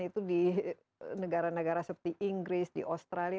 itu di negara negara seperti inggris di australia